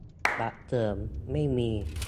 - บัตรเสริม : ไม่มี